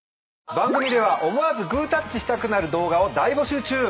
番組では思わずグータッチしたくなる動画を大募集中。